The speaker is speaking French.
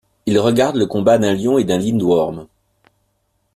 Il regarde le combat d'un lion avec un lindworm.